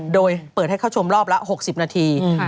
โดยเปิดให้เข้าชมรอบละ๖๐นาที